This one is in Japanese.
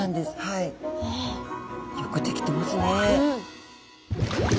よく出来てますね。